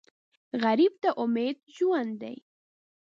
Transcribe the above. غریب ته امید ژوند دی